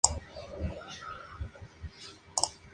Bayer coexistió parcialmente en el tiempo con los químicos.